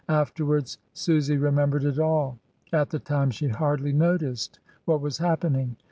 Afterwards Susy remembered it all, at the time she hardly noticed what was happening.